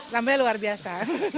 sambalnya luar biasa